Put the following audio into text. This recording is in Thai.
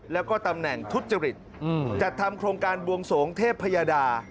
แล้วก็ตำแหน่งทุจริตจัดทำโครงการบวงสงเทพยดา